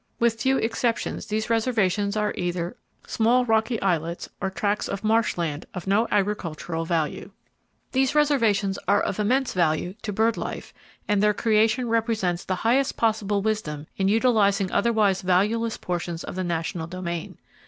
With few exceptions these reservations are either small rocky islets or tracts of marsh land of no agricultural value." These reservations are of immense value to bird life, and their creation represents the highest possible wisdom in utilizing otherwise valueless portions of the national domain.